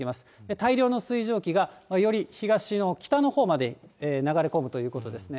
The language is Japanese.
大量の水蒸気がより東の北のほうまで流れ込むということですね。